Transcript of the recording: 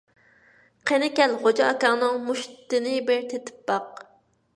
قېنى كەل، غوجا ئاكاڭنىڭ مۇشتتىنى بىر تېتىپ باق!